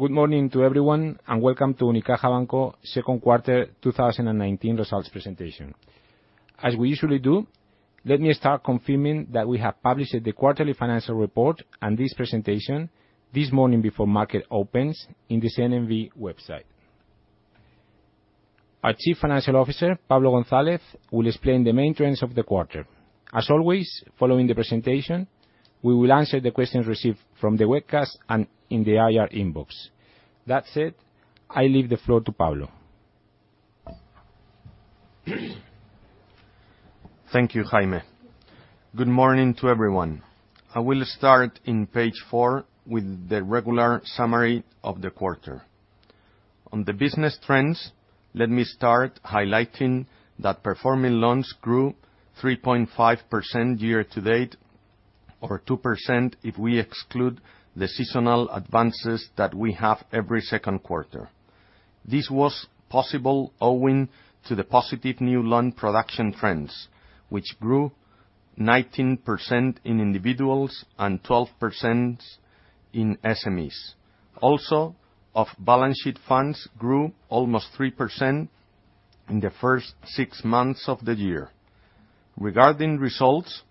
Good morning to everyone, and welcome to Unicaja Banco second quarter 2019 results presentation. As we usually do, let me start confirming that we have published the quarterly financial report and this presentation this morning before market opens in the CNMV website. Our Chief Financial Officer, Pablo González, will explain the main trends of the quarter. As always, following the presentation, we will answer the questions received from the webcast and in the IR inbox. That said, I leave the floor to Pablo. Thank you, Jaime. Good morning to everyone. I will start on page 4 with the regular summary of the quarter. On the business trends, let me start highlighting that performing loans grew 3.5% year to date, or 2% if we exclude the seasonal advances that we have every second quarter. This was possible owing to the positive new loan production trends, which grew 19% in individuals and 12% in SMEs. Off-balance-sheet funds grew almost 3% in the first six months of the year. Regarding results,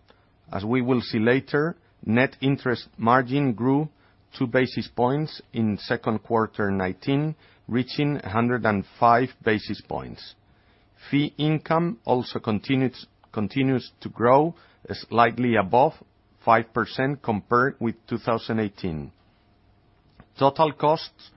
as we will see later, net interest margin grew 2 basis points in second quarter 2019, reaching 105 basis points. Fee income also continues to grow slightly above 5% compared with 2018. Total costs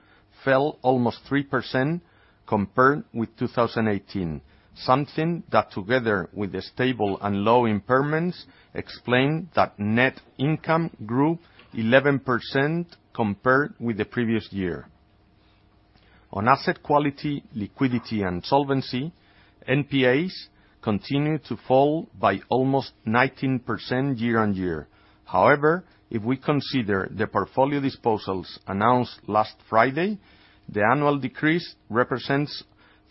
fell almost 3% compared with 2018, something that, together with the stable and low impairments, explain that net income grew 11% compared with the previous year. On asset quality, liquidity, and solvency, NPAs continued to fall by almost 19% year on year. However, if we consider the portfolio disposals announced last Friday, the annual decrease represents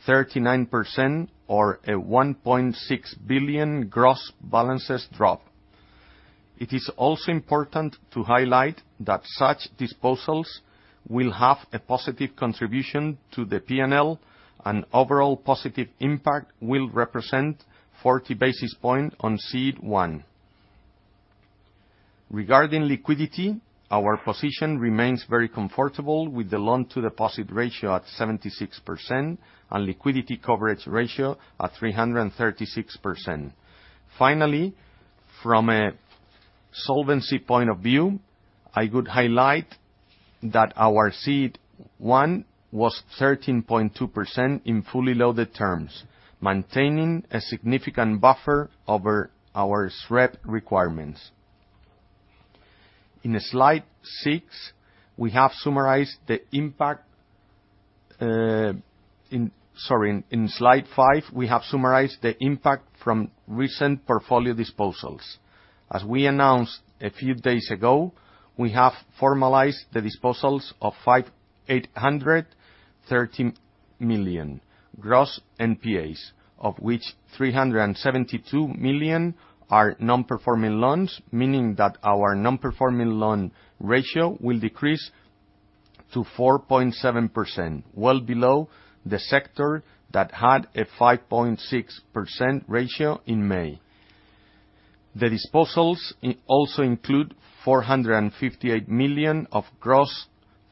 39%, or a 1.6 billion gross balances drop. It is also important to highlight that such disposals will have a positive contribution to the P&L, and overall positive impact will represent 40 basis points on CET1. Regarding liquidity, our position remains very comfortable with the loan-to-deposit ratio at 76% and liquidity coverage ratio at 336%. Finally, from a solvency point of view, I could highlight that our CET1 was 13.2% in fully loaded terms, maintaining a significant buffer over our SREP requirements. In slide 5, we have summarized the impact from recent portfolio disposals. As we announced a few days ago, we have formalized the disposals of 530 million gross NPAs, of which 372 million are non-performing loans, meaning that our non-performing loan ratio will decrease to 4.7%, well below the sector that had a 5.6% ratio in May. The disposals also include 458 million of gross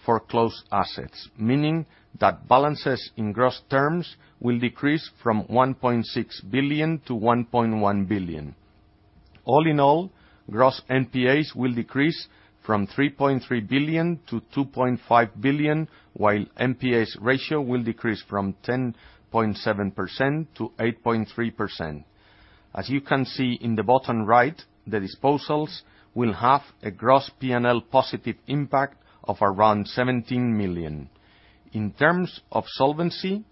foreclosed assets, meaning that balances in gross terms will decrease from 1.6 billion to 1.1 billion. All in all, gross NPAs will decrease from 3.3 billion to 2.5 billion, while NPAs ratio will decrease from 10.7% to 8.3%. As you can see in the bottom right, the disposals will have a gross P&L positive impact of around 17 million. In terms of solvency,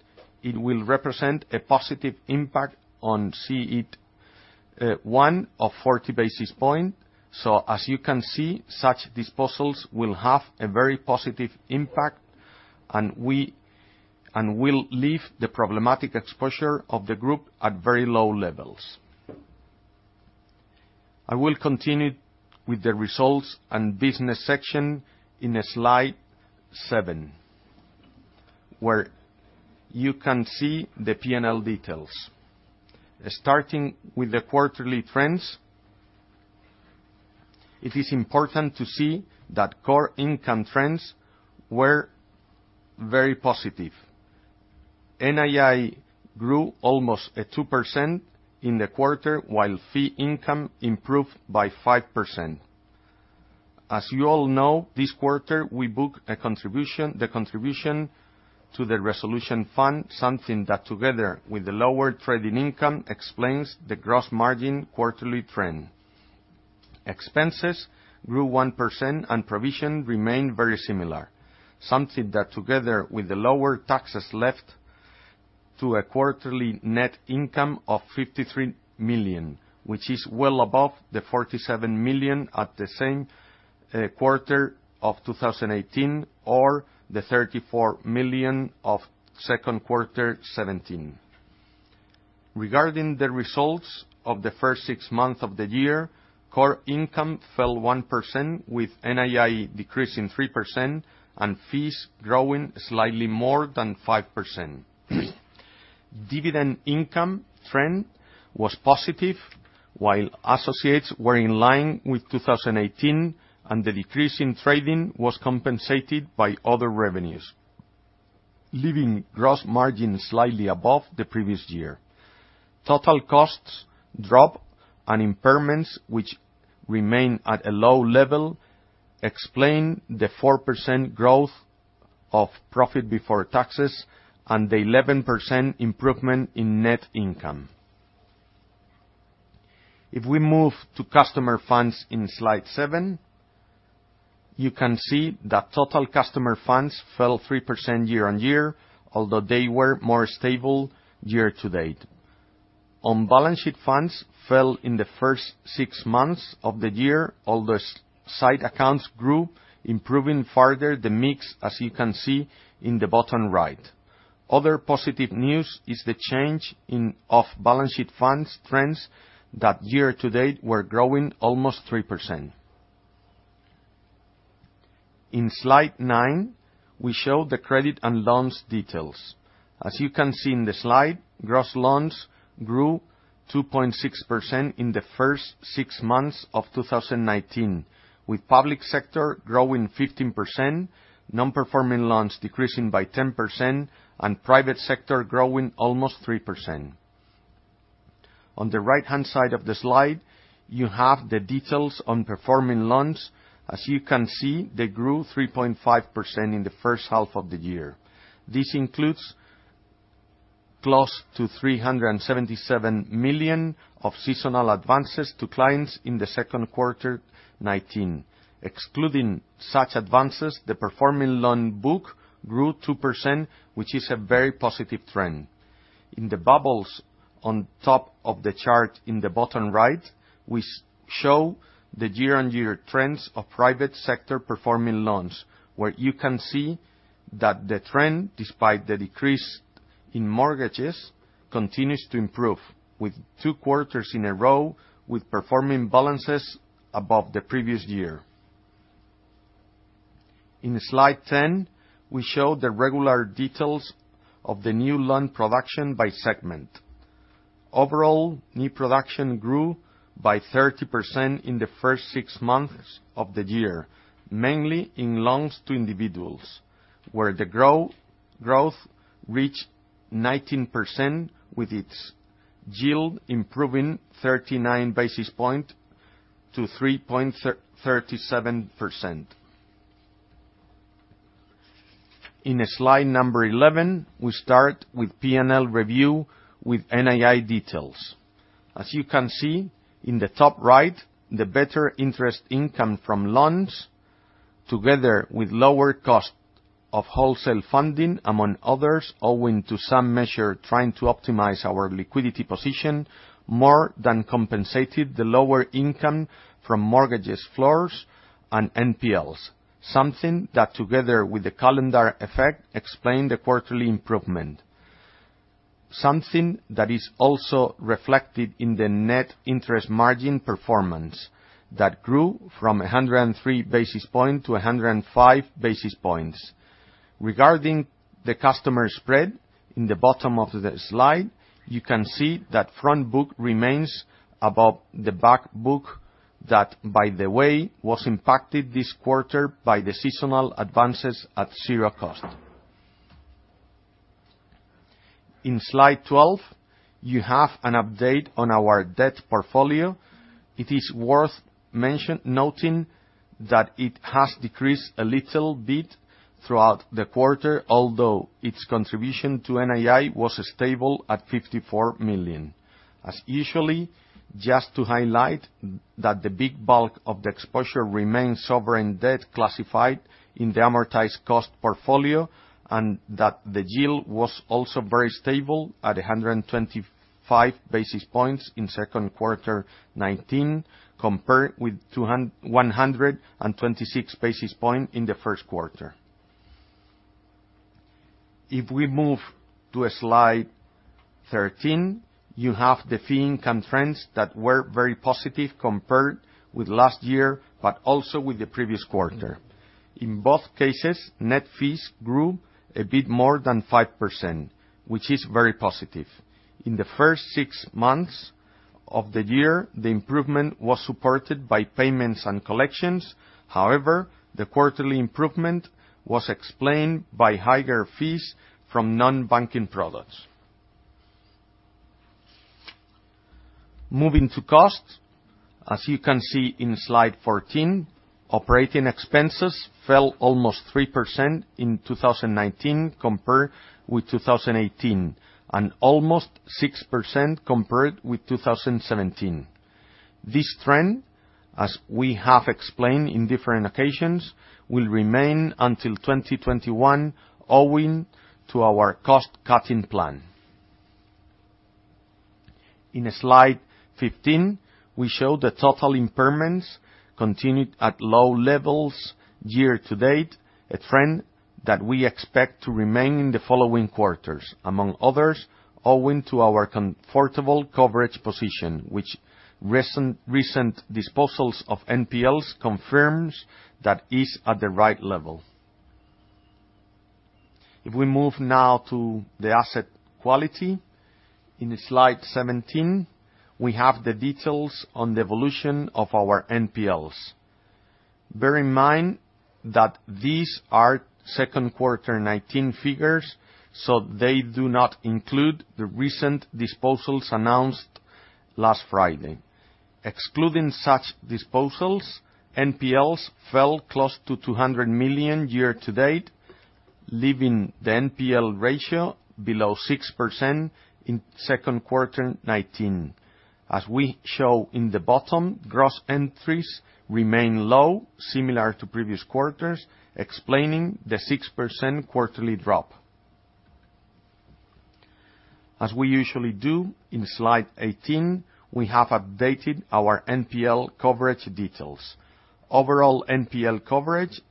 it will represent a positive impact on CET1 of 40 basis point. As you can see, such disposals will have a very positive impact and will leave the problematic exposure of the group at very low levels. I will continue with the results and business section in slide 7, where you can see the P&L details. Starting with the quarterly trends, it is important to see that core income trends were very positive. NII grew almost at 2% in the quarter, while fee income improved by 5%. As you all know, this quarter, we booked the contribution to the resolution fund, something that, together with the lower trading income, explains the gross margin quarterly trend. Expenses grew 1%, and provision remained very similar, something that, together with the lower taxes, left to a quarterly net income of 53 million, which is well above the 47 million at the same quarter of 2018 or the 34 million of second quarter 2017. Regarding the results of the first six months of the year, core income fell 1%, with NII decreasing 3% and fees growing slightly more than 5%. Dividend income trend was positive while associates were in line with 2018, and the decrease in trading was compensated by other revenues, leaving gross margin slightly above the previous year. Total costs drop and impairments, which remain at a low level, explain the 4% growth of profit before taxes and the 11% improvement in net income. If we move to customer funds in slide 7, you can see that total customer funds fell 3% year on year, although they were more stable year to date. On-balance sheet funds fell in the first six months of the year, although sight accounts grew, improving further the mix, as you can see in the bottom right. Other positive news is the change in off-balance-sheet funds trends that year to date were growing almost 3%. In slide 9, we show the credit and loans details. As you can see in the slide, gross loans grew 2.6% in the first six months of 2019, with public sector growing 15%, non-performing loans decreasing by 10%, and private sector growing almost 3%. On the right-hand side of the slide, you have the details on performing loans. As you can see, they grew 3.5% in the first half of the year. This includes close to 377 million of seasonal advances to clients in the second quarter 2019. Excluding such advances, the performing loan book grew 2%, which is a very positive trend. In the bubbles on top of the chart in the bottom right, we show the year on year trends of private sector performing loans, where you can see that the trend, despite the decrease in mortgages, continues to improve, with two quarters in a row with performing balances above the previous year. In slide 10, we show the regular details of the new loan production by segment. Overall, new production grew by 30% in the first six months of the year, mainly in loans to individuals, where the growth reached 19%, with its yield improving 39 basis points to 3.37%. In slide number 11, we start with P&L review with NII details. As you can see in the top right, the better interest income from loans, together with lower cost of wholesale funding, among others, owing to some measure trying to optimize our liquidity position, more than compensated the lower income from mortgages floors and NPLs. Something that, together with the calendar effect, explained the quarterly improvement. Something that is also reflected in the net interest margin performance that grew from 103 basis point to 105 basis points. Regarding the customer spread, in the bottom of the slide, you can see that front book remains above the back book that, by the way, was impacted this quarter by the seasonal advances at zero cost. In slide 12, you have an update on our debt portfolio. It is worth noting that it has decreased a little bit throughout the quarter, although its contribution to NII was stable at 54 million. As usually, just to highlight that the big bulk of the exposure remains sovereign debt classified in the amortised cost portfolio, and that the yield was also very stable at 125 basis points in second quarter 2019, compared with 126 basis point in the first quarter. If we move to slide 13, you have the fee income trends that were very positive compared with last year, but also with the previous quarter. In both cases, net fees grew a bit more than 5%, which is very positive. In the first six months of the year, the improvement was supported by payments and collections. However, the quarterly improvement was explained by higher fees from non-banking products. Moving to cost, as you can see in slide 14, operating expenses fell almost 3% in 2019 compared with 2018, and almost 6% compared with 2017. This trend, as we have explained in different occasions, will remain until 2021 owing to our cost-cutting plan. In slide 15, we show the total impairments continued at low levels year to date, a trend that we expect to remain in the following quarters, among others, owing to our comfortable coverage position, which recent disposals of NPLs confirms that is at the right level. If we move now to the asset quality, in slide 17, we have the details on the evolution of our NPLs. Bear in mind that these are second quarter 2019 figures, so they do not include the recent disposals announced last Friday. Excluding such disposals, NPLs fell close to 200 million year to date, leaving the NPL ratio below 6% in second quarter 2019. As we show in the bottom, gross entries remain low, similar to previous quarters, explaining the 6% quarterly drop. As we usually do, in slide 18, we have updated our NPL coverage details. Overall NPL coverage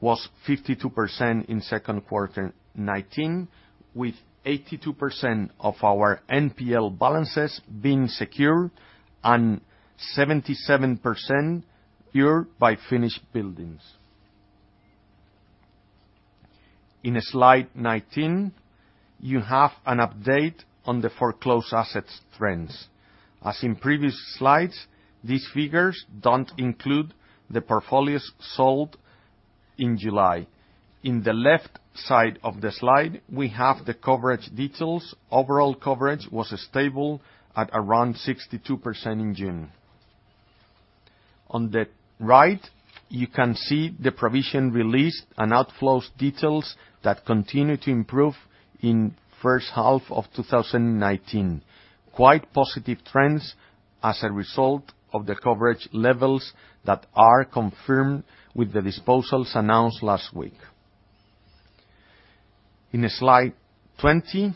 was 52% in second quarter 2019, with 82% of our NPL balances being secured and 77% cured by finished buildings. In slide 19, you have an update on the foreclosed assets trends. As in previous slides, these figures don't include the portfolios sold in July. In the left side of the slide, we have the coverage details. Overall coverage was stable at around 62% in June. On the right, you can see the provision released and outflows details that continue to improve in first half of 2019. Quite positive trends as a result of the coverage levels that are confirmed with the disposals announced last week. In slide 20,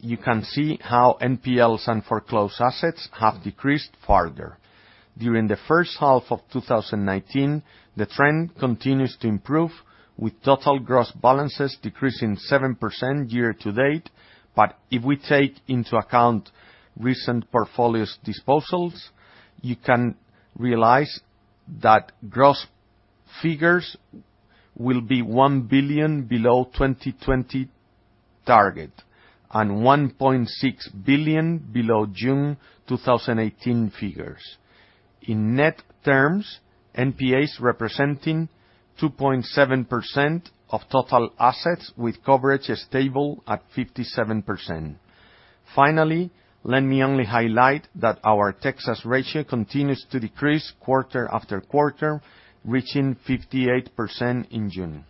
you can see how NPLs and foreclosed assets have decreased further. During the first half of 2019, the trend continues to improve, with total gross balances decreasing 7% year to date. If we take into account recent portfolios disposals, you can realize that gross figures will be 1 billion below 2020 target and 1.6 billion below June 2018 figures. In net terms, NPAs representing 2.7% of total assets with coverage stable at 57%. Finally, let me only highlight that our Texas ratio continues to decrease quarter after quarter, reaching 58% in June.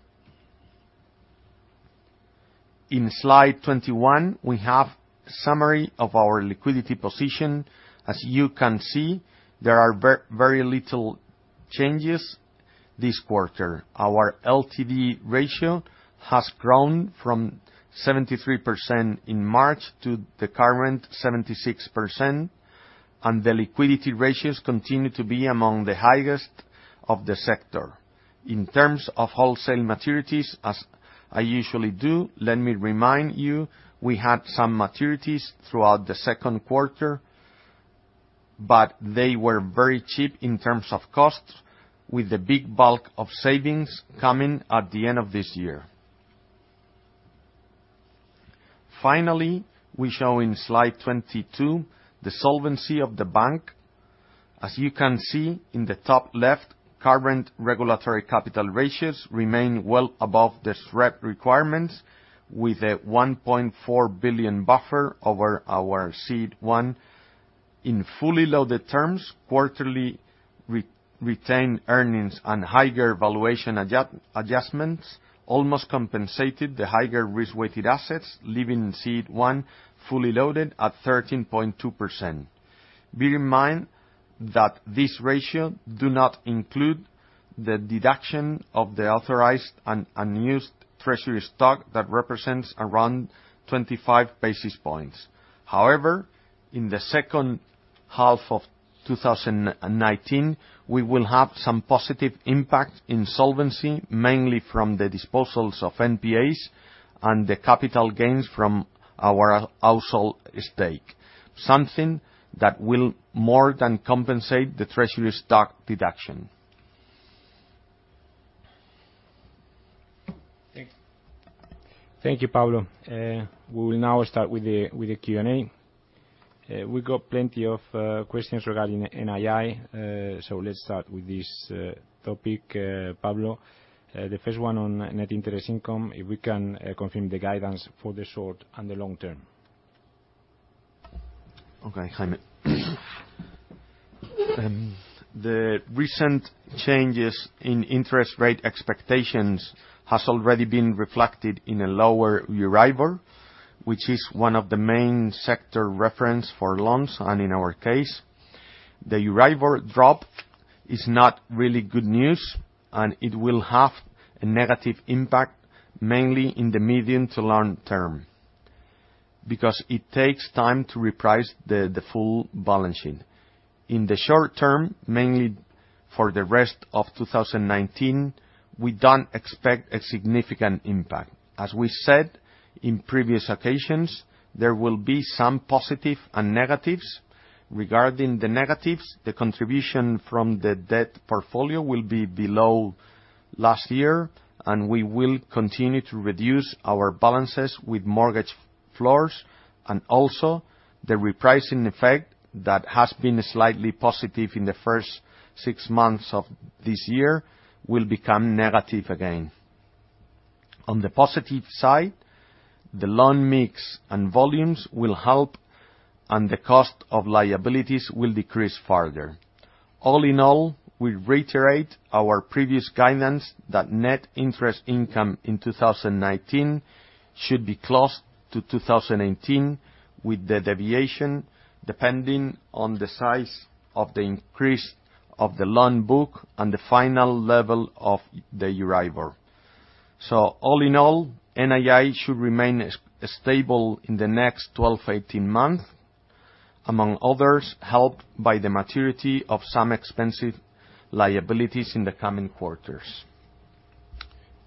In slide 21, we have summary of our liquidity position. As you can see, there are very little changes this quarter. Our LTD ratio has grown from 73% in March to the current 76%, and the liquidity ratios continue to be among the highest of the sector. In terms of wholesale maturities, as I usually do, let me remind you, we had some maturities throughout the second quarter, but they were very cheap in terms of costs with the big bulk of savings coming at the end of this year. We show in slide 22 the solvency of the bank. As you can see in the top left, current regulatory capital ratios remain well above the SREP requirements with a 1.4 billion buffer over our CET1. In fully loaded terms, quarterly retained earnings and higher valuation adjustments almost compensated the higher risk-weighted assets, leaving CET1 fully loaded at 13.2%. Bear in mind that this ratio do not include the deduction of the authorized and unused treasury stock that represents around 25 basis points. In the second half of 2019, we will have some positive impact in solvency, mainly from the disposals of NPAs and the capital gains from our Ausol stake, something that will more than compensate the treasury stock deduction. Thanks. Thank you, Pablo. We will now start with the Q&A. We got plenty of questions regarding NII. Let's start with this topic, Pablo. The first one on net interest income, if we can confirm the guidance for the short and the long term. Okay, Jaime. The recent changes in interest rate expectations has already been reflected in a lower Euribor, which is one of the main sector reference for loans, and in our case. The Euribor drop is not really good news, and it will have a negative impact mainly in the medium to long term, because it takes time to reprice the full balance sheet. In the short term, mainly for the rest of 2019, we don't expect a significant impact. As we said in previous occasions, there will be some positive and negatives. Regarding the negatives, the contribution from the debt portfolio will be below last year, and we will continue to reduce our balances with mortgage floors. Also, the repricing effect that has been slightly positive in the first six months of this year will become negative again. On the positive side, the loan mix and volumes will help, and the cost of liabilities will decrease further. All in all, we reiterate our previous guidance that net interest income in 2019 should be close to 2018, with the deviation depending on the size of the increase of the loan book and the final level of the Euribor. All in all, NII should remain stable in the next 12, 18 months, among others, helped by the maturity of some expensive liabilities in the coming quarters.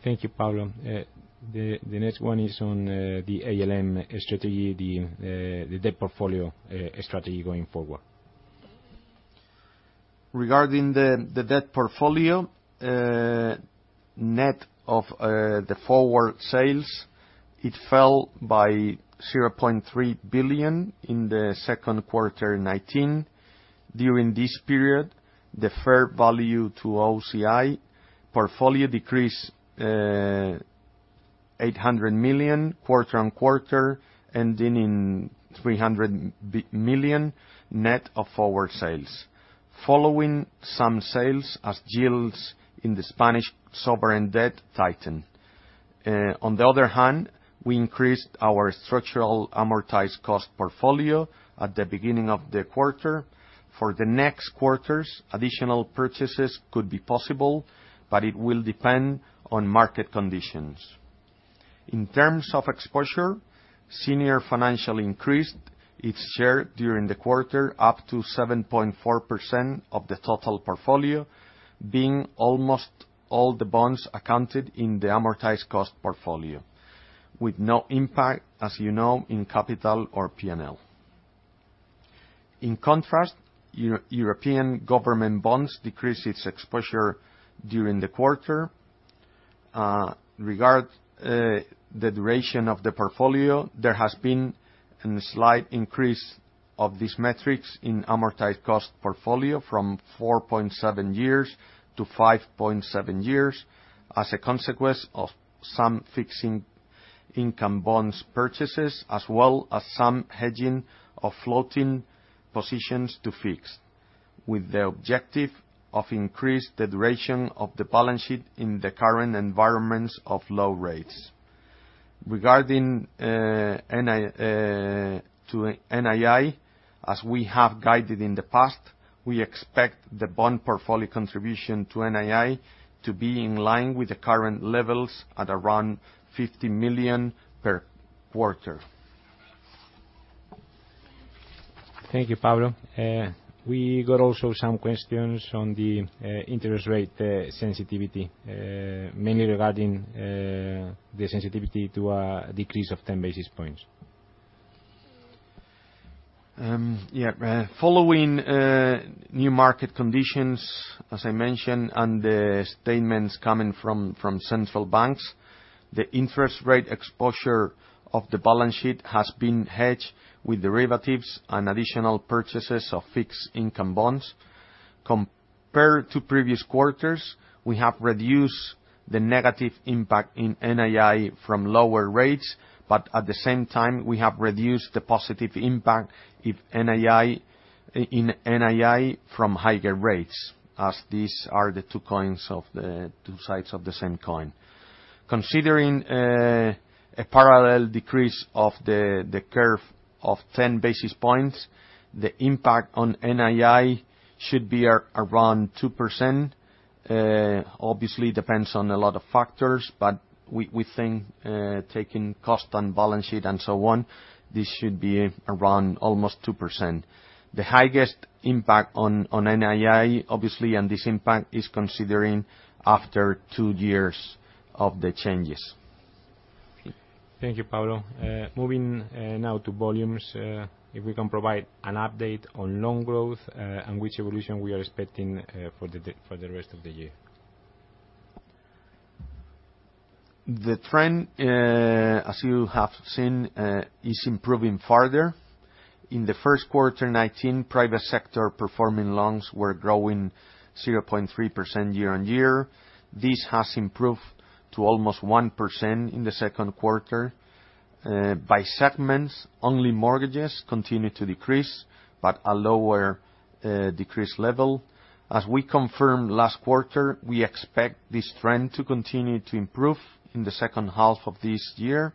Thank you, Pablo. The next one is on the ALM strategy, the debt portfolio strategy going forward. Regarding the debt portfolio, net of the forward sales, it fell by 0.3 billion in the second quarter 2019. During this period, the fair value OCI portfolio decreased 800 million quarter on quarter, ending in 300 million net of forward sales. Following some sales as yields in the Spanish sovereign debt tightened. On the other hand, we increased our structural amortised cost portfolio at the beginning of the quarter. For the next quarters, additional purchases could be possible, but it will depend on market conditions. In terms of exposure, senior financial increased its share during the quarter, up to 7.4% of the total portfolio, being almost all the bonds accounted in the amortised cost portfolio with no impact, as you know, in capital or P&L. In contrast, European government bonds decreased its exposure during the quarter. Regarding the duration of the portfolio, there has been a slight increase of these metrics in amortised cost portfolio from 4.7 years to 5.7 years as a consequence of some fixing income bonds purchases, as well as some hedging of floating positions to fix, with the objective of increase the duration of the balance sheet in the current environments of low rates. Regarding to NII, as we have guided in the past, we expect the bond portfolio contribution to NII to be in line with the current levels at around 50 million per quarter. Thank you, Pablo. We got also some questions on the interest rate sensitivity, mainly regarding the sensitivity to a decrease of 10 basis points. Following new market conditions, as I mentioned, and the statements coming from central banks, the interest rate exposure of the balance sheet has been hedged with derivatives and additional purchases of fixed income bonds. Compared to previous quarters, we have reduced the negative impact in NII from lower rates, at the same time, we have reduced the positive impact in NII from higher rates, as these are the two sides of the same coin. Considering a parallel decrease of the curve of 10 basis points, the impact on NII should be around 2%. Obviously, it depends on a lot of factors, we think taking cost and balance sheet and so on, this should be around almost 2%. The highest impact on NII, obviously, this impact is considering after two years of the changes. Thank you, Pablo. Moving now to volumes, if we can provide an update on loan growth and which evolution we are expecting for the rest of the year? The trend, as you have seen, is improving further. In the first quarter 2019, private sector performing loans were growing 0.3% year on year. This has improved to almost 1% in the second quarter. By segments, only mortgages continued to decrease, but a lower decrease level. As we confirmed last quarter, we expect this trend to continue to improve in the second half of this year.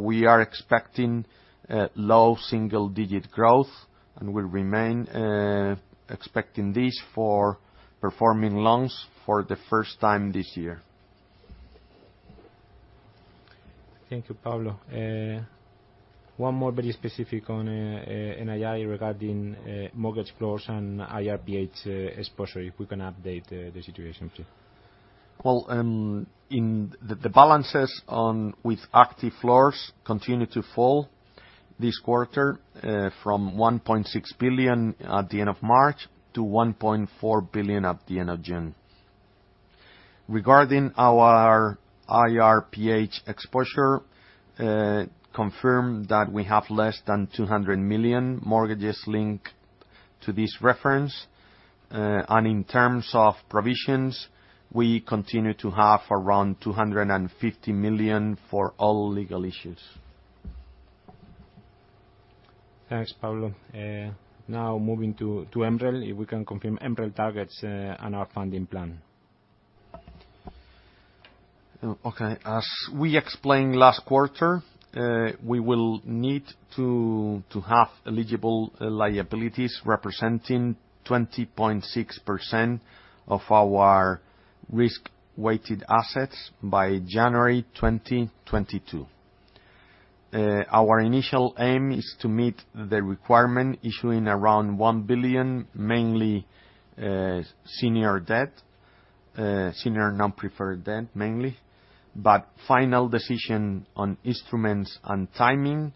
We are expecting low single-digit growth, and we'll remain expecting this for performing loans for the first time this year. Thank you, Pablo. One more very specific on NII regarding mortgage floors and IRPH exposure, if we can update the situation, please. Well, the balances with active floors continue to fall this quarter, from 1.6 billion at the end of March to 1.4 billion at the end of June. Regarding our IRPH exposure, confirm that we have less than 200 million mortgages linked to this reference. In terms of provisions, we continue to have around 250 million for all legal issues. Thanks, Pablo. Now, moving to MREL, if we can confirm MREL targets and our funding plan. As we explained last quarter, we will need to have eligible liabilities representing 20.6% of our risk-weighted assets by January 2022. Our initial aim is to meet the requirement, issuing around 1 billion, mainly senior non-preferred debt. Final decision on instruments and timing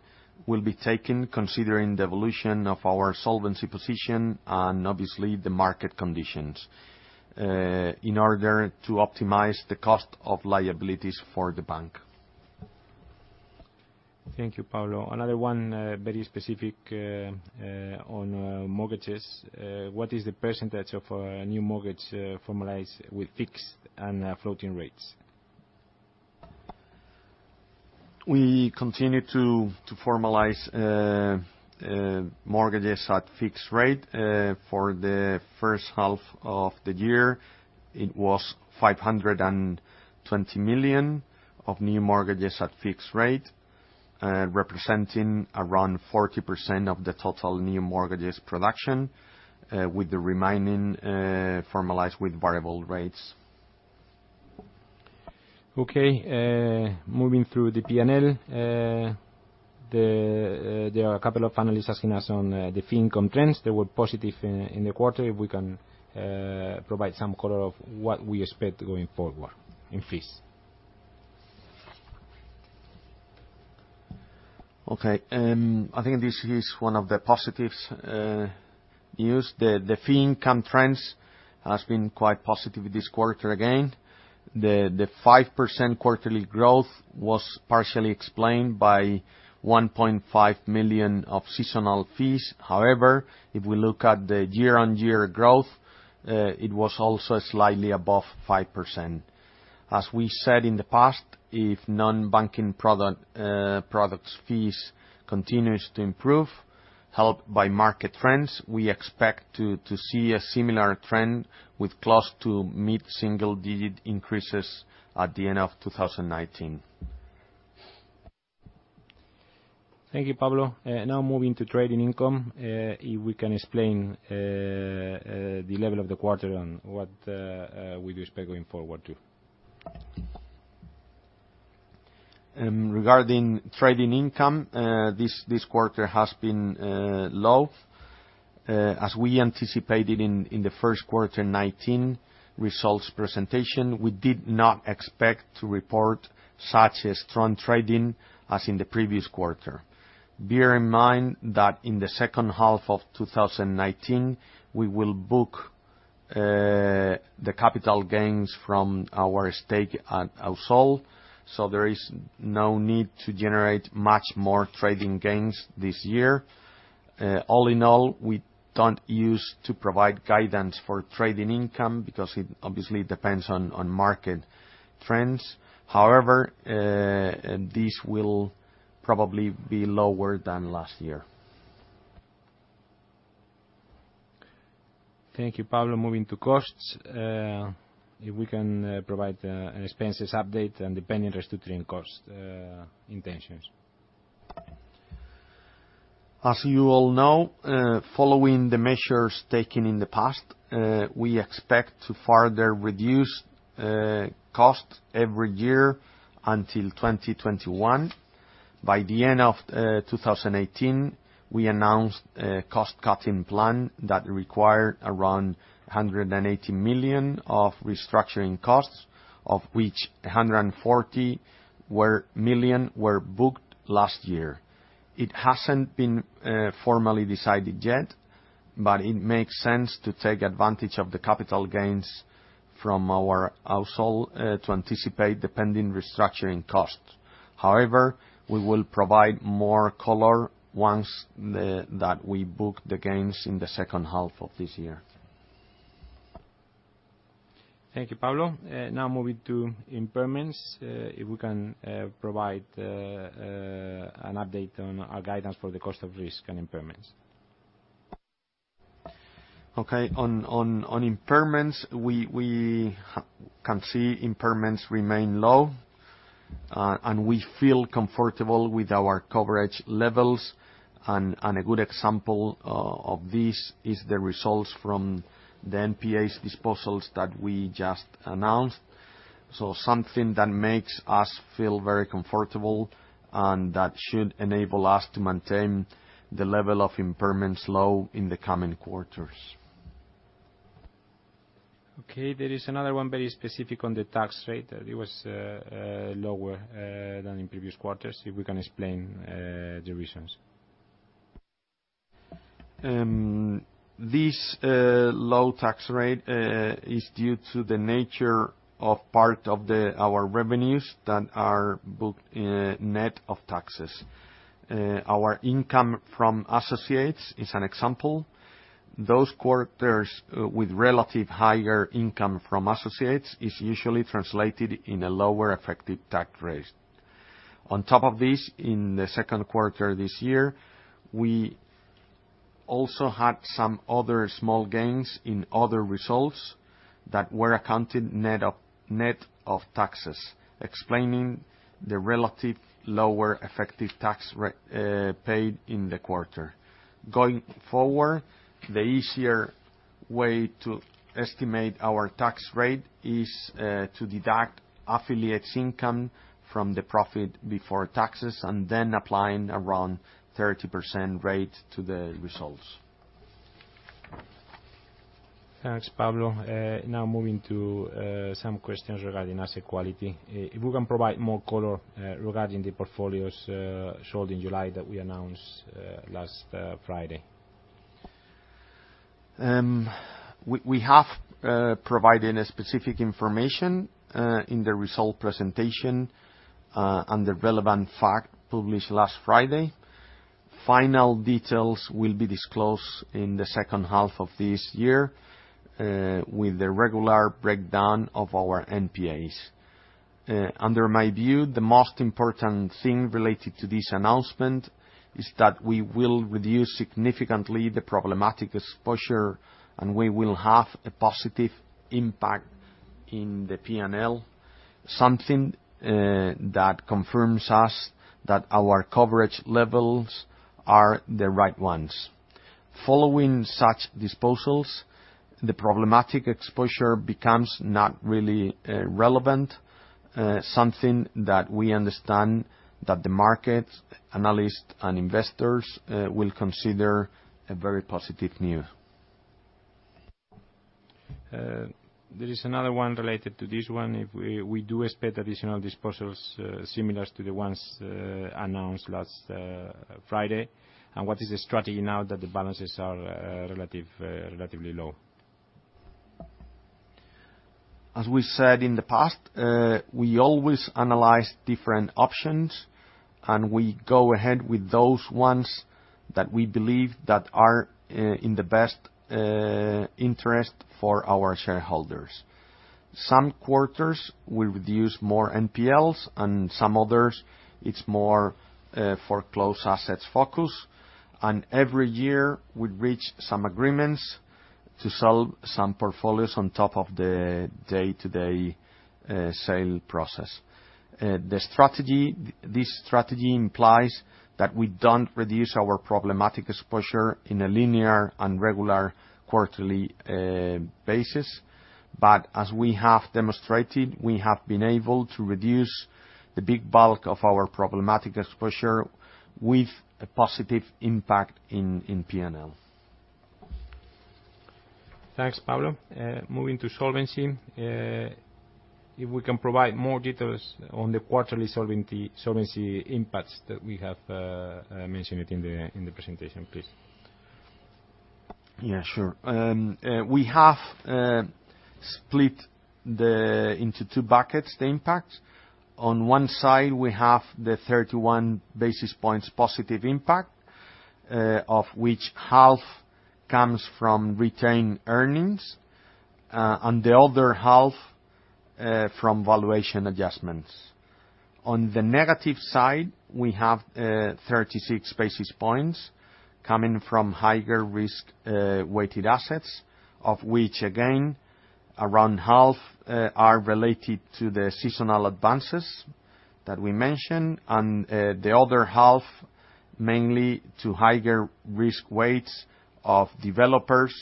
will be taken considering the evolution of our solvency position and obviously, the market conditions, in order to optimize the cost of liabilities for the bank. Thank you, Pablo. Another one very specific on mortgages. What is the percentage of new mortgage formalized with fixed and floating rates? We continue to formalize mortgages at fixed rate. For the first half of the year, it was 520 million of new mortgages at fixed rate, representing around 40% of the total new mortgages production, with the remaining formalized with variable rates. Okay, moving through the P&L. There are a couple of analysts asking us on the fee income trends. They were positive in the quarter. If we can provide some color of what we expect going forward in fees. Okay. I think this is one of the positives. Yes, the fee income trends has been quite positive this quarter again. The 5% quarterly growth was partially explained by 1.5 million of seasonal fees. However, if we look at the year on year growth, it was also slightly above 5%. As we said in the past, if non-banking products fees continues to improve, helped by market trends, we expect to see a similar trend with close to mid-single digit increases at the end of 2019. Thank you, Pablo. Now, moving to trading income. If we can explain the level of the quarter and what we do expect going forward too. Regarding trading income, this quarter has been low. As we anticipated in the first quarter 2019 results presentation, we did not expect to report such a strong trading as in the previous quarter. Bear in mind that in the second half of 2019, we will book the capital gains from our stake at Ausol. There is no need to generate much more trading gains this year. All in all, we don't use to provide guidance for trading income because it obviously depends on market trends. However, this will probably be lower than last year. Thank you, Pablo. Moving to costs. If we can provide an expenses update and the pending restructuring cost intentions. As you all know, following the measures taken in the past, we expect to further reduce costs every year until 2021. By the end of 2018, we announced a cost-cutting plan that required around 180 million of restructuring costs, of which 140 million were booked last year. It hasn't been formally decided yet, it makes sense to take advantage of the capital gains from our Ausol to anticipate the pending restructuring costs. We will provide more color once we book the gains in the second half of this year. Thank you, Pablo. Now, moving to impairments. If we can provide an update on our guidance for the cost of risk and impairments. On impairments, we can see impairments remain low, and we feel comfortable with our coverage levels. A good example of this is the results from the NPAs disposals that we just announced. Something that makes us feel very comfortable, and that should enable us to maintain the level of impairments low in the coming quarters. Okay, there is another one very specific on the tax rate. It was lower than in previous quarters, if we can explain the reasons? This low tax rate is due to the nature of part of our revenues that are booked net of taxes. Our income from associates is an example. Those quarters with relative higher income from associates is usually translated in a lower effective tax rate. On top of this, in the second quarter this year, we also had some other small gains in other results that were accounted net of taxes, explaining the relative lower effective tax paid in the quarter. Going forward, the easier way to estimate our tax rate is to deduct affiliates' income from the profit before taxes and then applying around 30% rate to the results. Thanks, Pablo. Moving to some questions regarding asset quality. If we can provide more color regarding the portfolios sold in July that we announced last Friday. We have provided specific information in the result presentation and the relevant fact published last Friday. Final details will be disclosed in the second half of this year with the regular breakdown of our NPAs. Under my view, the most important thing related to this announcement is that we will reduce significantly the problematic exposure, and we will have a positive impact in the P&L, something that confirms us that our coverage levels are the right ones. Following such disposals, the problematic exposure becomes not really relevant, something that we understand that the market, analysts, and investors will consider a very positive news. There is another one related to this one. If we do expect additional disposals similar to the ones announced last Friday, and what is the strategy now that the balances are relatively low? As we said in the past, we always analyze different options. We go ahead with those ones that we believe that are in the best interest for our shareholders. Some quarters, we reduce more NPLs. Some others, it's more foreclosed assets focus. Every year, we reach some agreements to sell some portfolios on top of the day-to-day sale process. This strategy implies that we don't reduce our problematic exposure in a linear and regular quarterly basis. As we have demonstrated, we have been able to reduce the big bulk of our problematic exposure with a positive impact in P&L. Thanks, Pablo. Moving to solvency. If we can provide more details on the quarterly solvency impacts that we have mentioned in the presentation, please. Yeah, sure. We have split into two buckets the impact. On one side, we have the 31 basis points positive impact, of which half comes from retained earnings, and the other half from valuation adjustments. On the negative side, we have 36 basis points coming from higher risk-weighted assets, of which, again, around half are related to the seasonal advances that we mentioned, and the other half mainly to higher risk weights of developers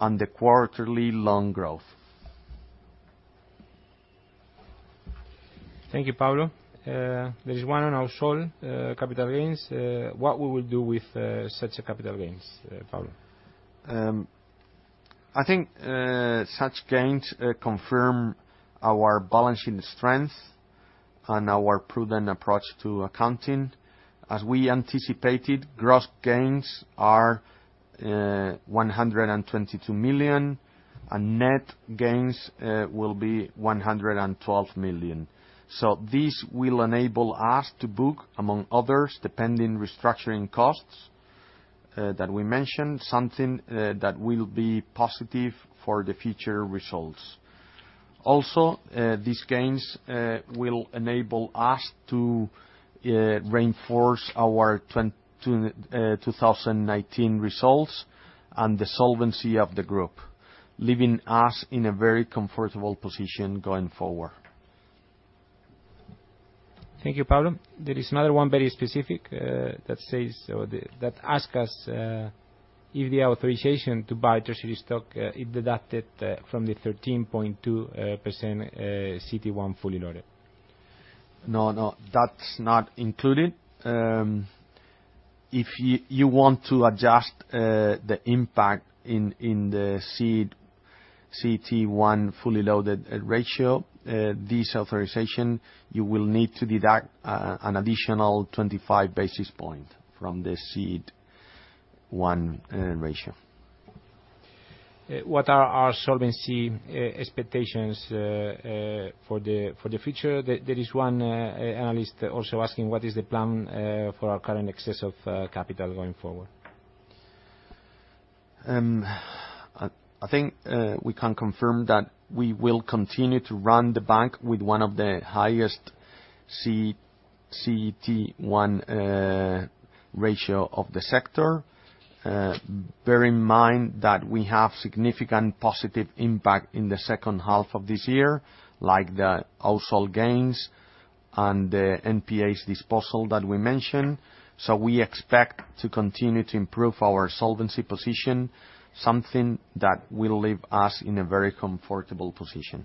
and the quarterly loan growth. Thank you, Pablo. There's one on Ausol capital gains. What we will do with such a capital gains, Pablo? I think such gains confirm our balancing strength and our prudent approach to accounting. As we anticipated, gross gains are 122 million, and net gains will be 112 million. This will enable us to book, among others, pending restructuring costs that we mentioned, something that will be positive for the future results. Also, these gains will enable us to reinforce our 2019 results and the solvency of the group, leaving us in a very comfortable position going forward. Thank you, Pablo. There is another one, very specific, that asks us if the authorization to buy treasury stock is deducted from the 13.2% CET1 fully loaded. No, that's not included. If you want to adjust the impact in the CET1 fully loaded ratio, this authorization, you will need to deduct an additional 25 basis point from the CET1 ratio. What are our solvency expectations for the future? There is one analyst also asking what is the plan for our current excess of capital going forward. I think we can confirm that we will continue to run the bank with one of the highest CET1 ratio of the sector. Bear in mind that we have significant positive impact in the second half of this year, like the Ausol gains and the NPAs disposal that we mentioned. We expect to continue to improve our solvency position, something that will leave us in a very comfortable position.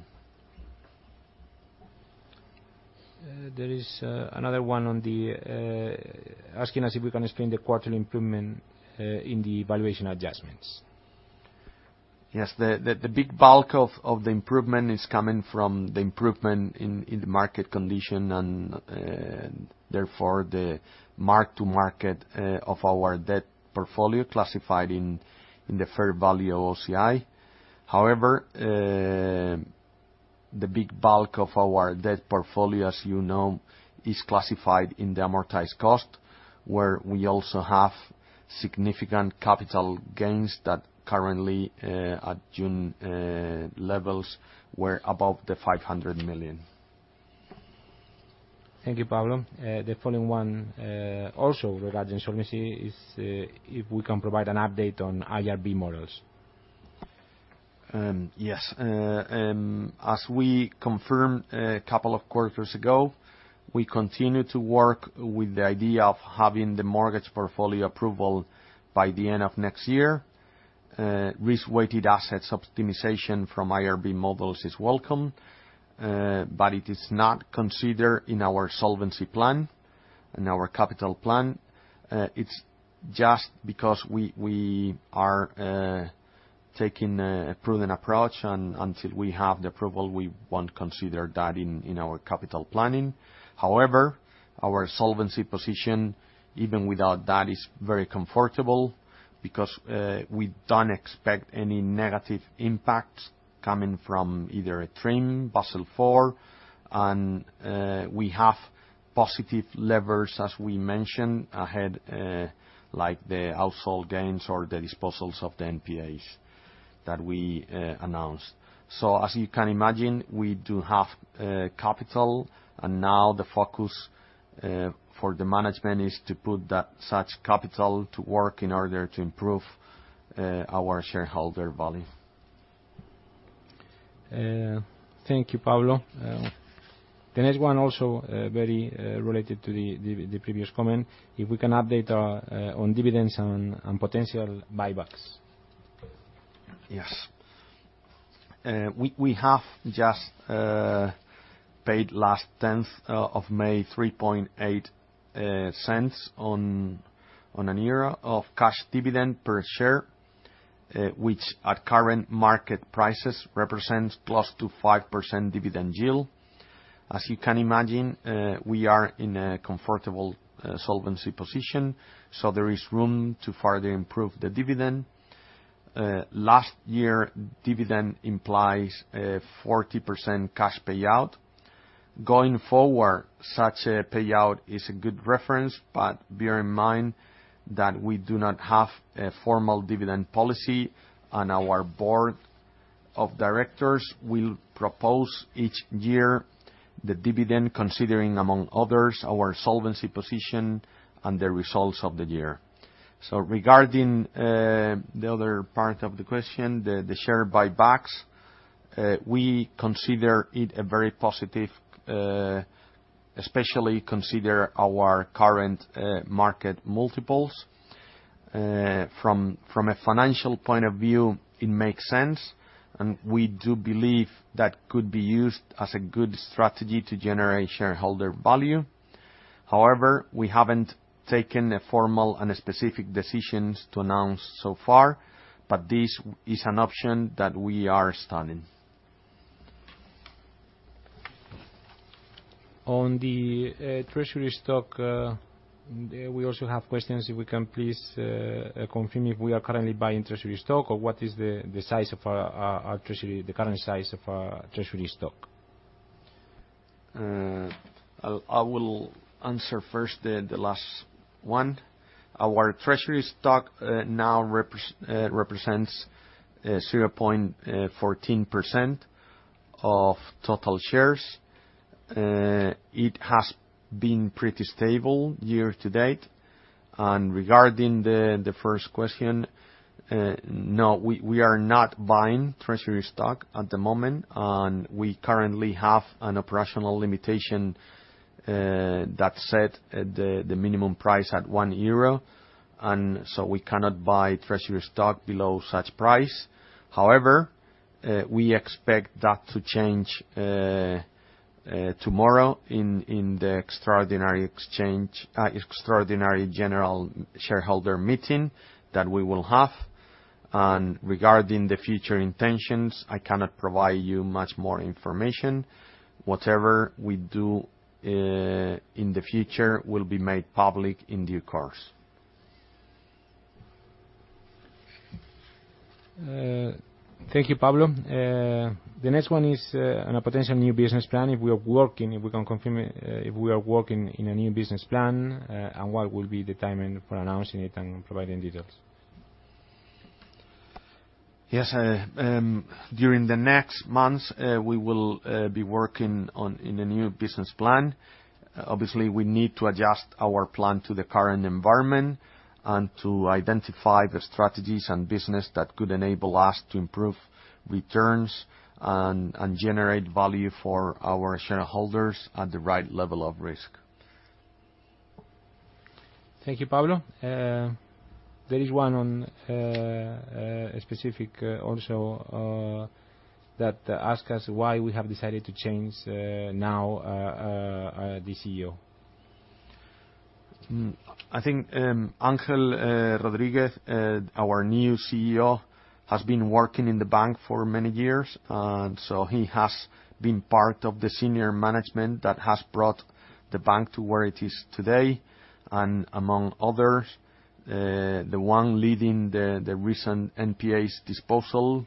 There is another one asking us if we can explain the quarterly improvement in the valuation adjustments. Yes. The big bulk of the improvement is coming from the improvement in the market condition, and therefore, the mark to market of our debt portfolio classified in the fair value OCI. However, the big bulk of our debt portfolio, as you know, is classified in the amortised cost, where we also have significant capital gains that currently, at June levels, were above the 500 million. Thank you, Pablo. The following one, also regarding solvency, is if we can provide an update on IRB models. Yes. As we confirmed a couple of quarters ago, we continue to work with the idea of having the mortgage portfolio approval by the end of next year. Risk-weighted assets optimization from IRB models is welcome, but it is not considered in our solvency plan, in our capital plan. It's just because we are taking a prudent approach, and until we have the approval, we won't consider that in our capital planning. However, our solvency position, even without that, is very comfortable because we don't expect any negative impacts coming from either a TRIM, Basel IV, and we have positive levers, as we mentioned, ahead, like the Ausol gains or the disposals of the NPAs that we announced. As you can imagine, we do have capital, and now the focus for the management is to put such capital to work in order to improve our shareholder value. Thank you, Pablo. The next one, also very related to the previous comment, if we can update on dividends and potential buybacks. Yes. We have just paid, last 10th of May, 0.038 of cash dividend per share, which at current market prices represents close to 5% dividend yield. As you can imagine, we are in a comfortable solvency position, so there is room to further improve the dividend. Last year, dividend implies a 40% cash payout. Going forward, such a payout is a good reference, but bear in mind that we do not have a formal dividend policy, and our board of directors will propose each year the dividend, considering, among others, our solvency position and the results of the year. Regarding the other part of the question, the share buybacks, we consider it very positive, especially considering our current market multiples. From a financial point of view, it makes sense, and we do believe that could be used as a good strategy to generate shareholder value. We haven't taken formal and specific decisions to announce so far, but this is an option that we are studying. On the treasury stock, we also have questions, if we can please confirm if we are currently buying treasury stock or what is the current size of our treasury stock. I will answer first the last one. Our treasury stock now represents 0.14% of total shares. It has been pretty stable year to date. Regarding the first question, no, we are not buying treasury stock at the moment, and we currently have an operational limitation that's set the minimum price at one euro, and so we cannot buy treasury stock below such price. However, we expect that to change tomorrow in the extraordinary general shareholder meeting that we will have. Regarding the future intentions, I cannot provide you much more information. Whatever we do in the future will be made public in due course. Thank you, Pablo. The next one is on a potential new business plan, if we are working, if we can confirm if we are working in a new business plan, and what will be the timing for announcing it and providing details. Yes. During the next months, we will be working on a new business plan. Obviously, we need to adjust our plan to the current environment and to identify the strategies and business that could enable us to improve returns and generate value for our shareholders at the right level of risk. Thank you, Pablo. There is one on a specific also, that ask us why we have decided to change now the CEO. I think Ángel Rodríguez, our new CEO, has been working in the bank for many years, and so he has been part of the senior management that has brought the bank to where it is today. Among others, the one leading the recent NPAs disposal,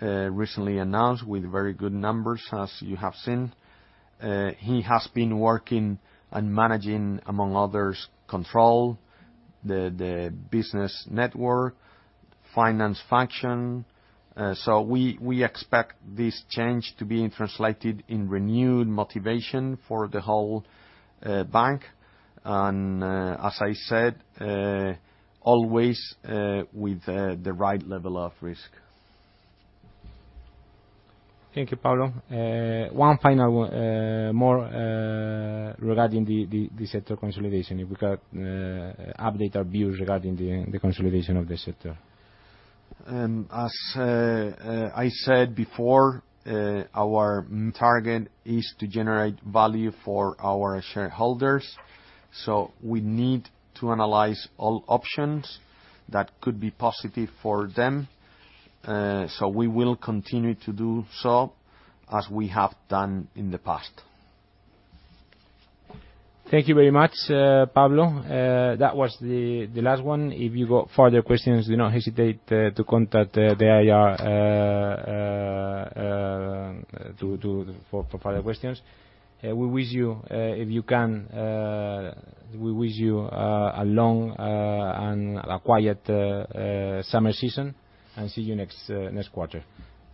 recently announced with very good numbers, as you have seen. He has been working and managing, among others, control, the business network, finance function. We expect this change to be translated in renewed motivation for the whole bank. As I said, always with the right level of risk. Thank you, Pablo. One final one, more regarding the sector consolidation, if we can update our views regarding the consolidation of the sector. As I said before, our target is to generate value for our shareholders. We need to analyze all options that could be positive for them. We will continue to do so, as we have done in the past. Thank you very much, Pablo. That was the last one. If you got further questions, do not hesitate to contact the IR for further questions. We wish you, if you can, we wish you a long and a quiet summer season, and see you next quarter.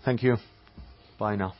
Thank you. Bye now.